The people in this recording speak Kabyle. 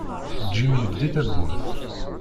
Jim yeldi tawwurt.